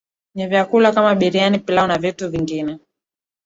Ni vyakula kama biriyani pilau na vitu vingine